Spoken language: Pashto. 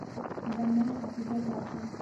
دماغ حافظه ساتي.